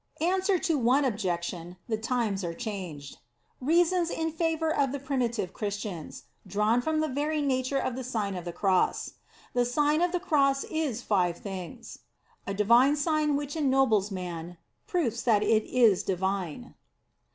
ANSWER TO ONE OBJECTION, THE TIMES ARE CHANGED REASONS IN FAVOR OF THE PRIMITIVE CHRISTIANS, DRAWN FROM THE VERY NATURE OF THE SlGN OF THE CROSS THE SlGN OF THE CROSS IS FIVE THINGS A DIVINE SIGN WHICH ENNOBLES MAN PROOFS THAT IT IS DIVINE.